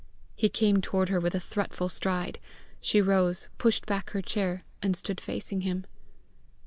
He came toward her with a threatful stride. She rose, pushed back her chair, and stood facing him.